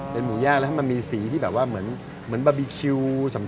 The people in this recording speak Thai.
เป็นหมูย่างแล้วให้มันมีสีที่แบบว่าเหมือนบาร์บีคิว